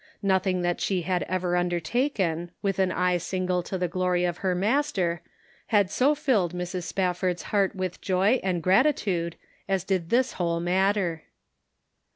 Nothing that she had ever un dertaken, with an eye single to the glory of her Master, had so filled Mrs. Spafford's heart with joy and gratitude as did this whole matter.